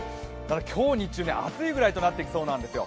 今日日中、暑いぐらいとなってきそうなんですよ。